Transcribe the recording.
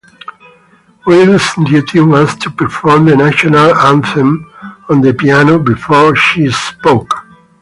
Wild's duty was to perform the national anthem on the piano before she spoke.